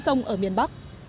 sông ở miền bắc